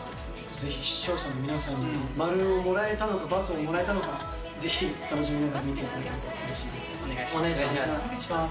ぜひ視聴者の皆さんにも、〇をもらえたのか、×をもらえたのか、ぜひ楽しみながら見ていたお願いします。